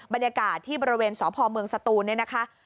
บรรยากาศที่บริเวณสพเมืองสตูนเนี่ยนะคะ